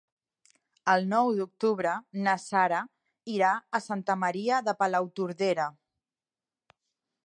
El nou d'octubre na Sara irà a Santa Maria de Palautordera.